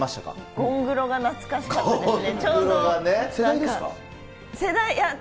ゴングロが懐かしかったですね。